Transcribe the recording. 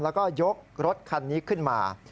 แล้วก็ยกรถคันนี้ขึ้นมา